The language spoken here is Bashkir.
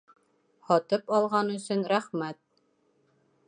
Һатып алған өсөн рәхмәт!